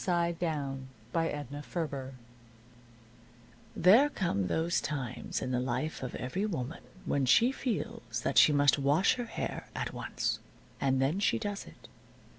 XI SUN DRIED There come those times in the life of every woman when she feels that she must wash her hair at once. And then she does it.